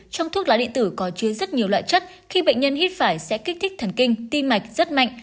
trong thuốc lá điện tử có chứa rất nhiều loại chất khi bệnh nhân hít phải sẽ kích thích thần kinh tim mạch rất mạnh